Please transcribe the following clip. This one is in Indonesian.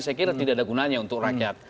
saya kira tidak ada gunanya untuk rakyat